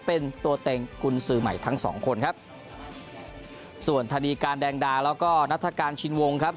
เป็นตัวเต็งกุญสือใหม่ทั้งสองคนครับส่วนธนีการแดงดาแล้วก็นัฐกาลชินวงครับ